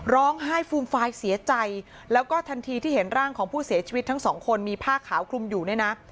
ร้องไห้ฟูมฟายเสียใจแล้วก็ทันทีที่เห็นร่างของผู้เสียชีวิตทั้งสองคนมีผ้าขาวคลุมอยู่เนี่ยนะ